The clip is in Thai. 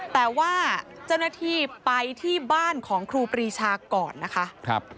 แต่ว่าเจ้าหน้าที่ไปที่บ้านของครูปรีชาก่อนนะคะ